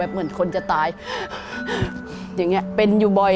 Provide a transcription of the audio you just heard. เหมือนคนจะตายเป็นอยู่บ่อย